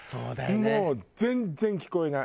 もう全然聞こえない。